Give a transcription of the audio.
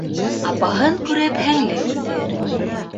Апаһын күреп һеңле үҫер.